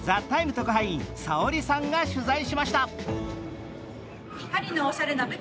特派員Ｓａｏｒｉさんが取材しました。